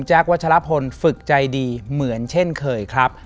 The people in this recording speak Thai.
วัชลพลฝึกใจดีเหมือนเช่นเคยครับ